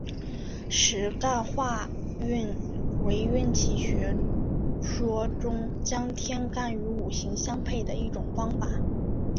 十干化运为运气学说中将天干与五行相配的一种方法。